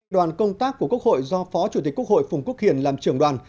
đoàn công tác của quốc hội do phó chủ tịch quốc hội phùng quốc hiền làm trưởng đoàn